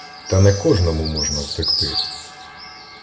Та не кожному можна втекти.